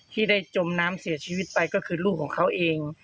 ที่ได้จมน้ำเสียชีวิตไปก็คือลูกของเขาเอง